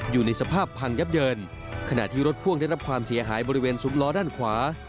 อยู่ในสภาพพังยับเยินขณะที่รถพ่วงได้รับความเสียหายบริเวณซุ้มล้อด้านขวา